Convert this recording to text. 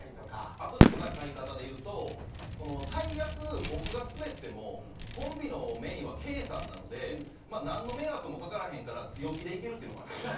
あと戦い方でいうと最悪僕がスベってもコンビのメインはケイさんなのでなんの迷惑もかからへんから強気でいけるっていうのもありますね。